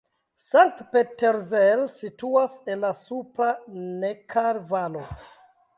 Sankt-Peterzell situas en la supra Necker-Valo.